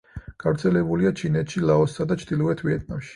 გავრცელებულია ჩინეთში, ლაოსსა და ჩრდილოეთ ვიეტნამში.